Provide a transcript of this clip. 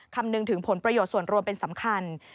คำนึงถึงผลประโยชน์ส่วนรวมเป็นสำคัญ